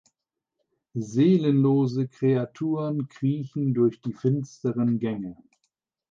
Seelenlose Kreaturen kriechen durch die finsteren Gänge.